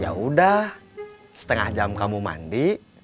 ya udah setengah jam kamu mandi